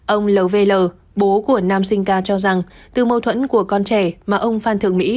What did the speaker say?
ông lvl bố của nam sinh k cho rằng từ mâu thuẫn của con trẻ mà ông phan thượng mỹ